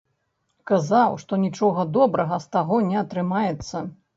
Казаў, што нічога добрага з таго не атрымаецца.